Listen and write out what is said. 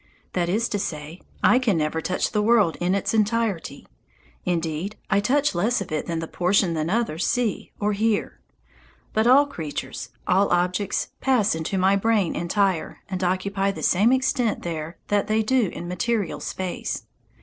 That is to say, I can never touch the world in its entirety; indeed, I touch less of it than the portion that others see or hear. But all creatures, all objects, pass into my brain entire, and occupy the same extent there that they do in material space.